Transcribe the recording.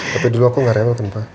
tapi dulu aku gak rewel kan pak